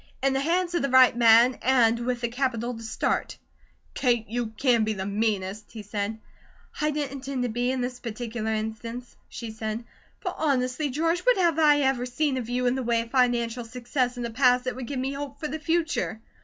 "In the hands of the right man, and with the capital to start." "Kate, you can be the meanest," he said. "I didn't intend to be, in this particular instance," she said. "But honestly, George, what have I ever seen of you in the way of financial success in the past that would give me hope for the future?"